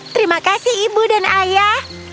terima kasih ibu dan ayah